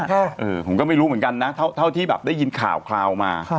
เออผมก็ไม่รู้เหมือนกันนะเท่าที่แบบได้ยินข่าวมา